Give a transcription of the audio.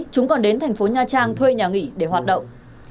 chúng còn đến thành phố nha trang thuê nhà nghỉ để hoạt động